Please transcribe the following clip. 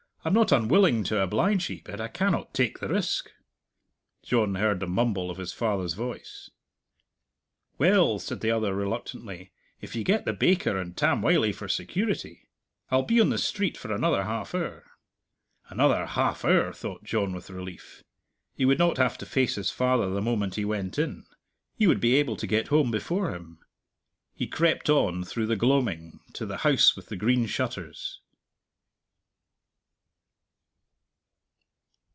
I'm not unwilling to oblige ye, but I cannot take the risk." John heard the mumble of his father's voice. "Well," said the other reluctantly, "if ye get the baker and Tam Wylie for security? I'll be on the street for another half hour." "Another half hour!" thought John with relief. He would not have to face his father the moment he went in. He would be able to get home before him. He crept on through the gloaming to the House with the Green Shutters.